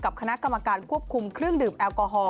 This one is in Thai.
คณะกรรมการควบคุมเครื่องดื่มแอลกอฮอล